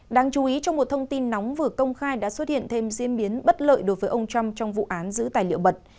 đáng chú ý trong một thông tin nóng vừa công khai đã xuất hiện thêm diễn biến bất lợi đối với ông trump trong vụ án giữ tài liệu bật